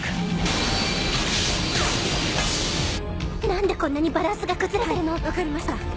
何でこんなにバランスが崩れてるの⁉分かりました。